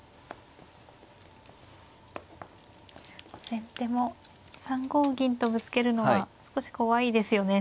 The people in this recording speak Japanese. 先手も３五銀とぶつけるのは少し怖いですよね。